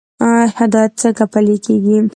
هدایت څنګه پلی کیږي؟